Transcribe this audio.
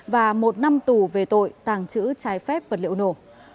và một năm tù về tội tàng trữ trái phép vật liệu nổ